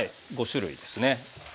５種類ですね。